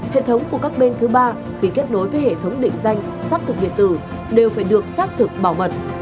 hệ thống của các bên thứ ba khi kết nối với hệ thống định danh xác thực điện tử đều phải được xác thực bảo mật